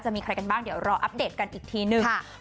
มีใครกันบ้างเดี๋ยวรออัปเดตกันอีกทีหนึ่ง